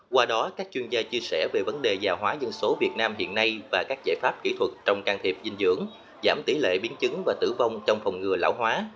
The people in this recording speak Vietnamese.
qua đó các chuyên gia chia sẻ về vấn đề gia hóa dân số việt nam hiện nay và các giải pháp kỹ thuật trong can thiệp dinh dưỡng giảm tỷ lệ biến chứng và tử vong trong phòng ngừa lão hóa